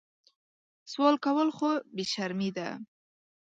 سوال کول خو بې شرمي ده